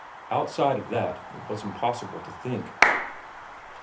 Outside of that it was impossible to think.